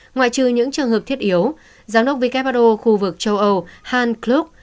ngoại trừ những trường hợp thiết yếu giám đốc vkpado khu vực châu âu hans klug